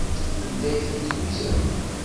Anda ay tent-tḥuzamt?